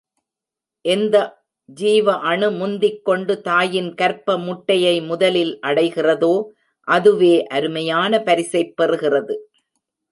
எந்த ஜீவ அணு முந்திக் கொண்டு தாயின் கர்ப்ப முட்டையை முதலில் அடைகிறதோ, அதுவே அருமையான பரிசைப் பெறுகிறது.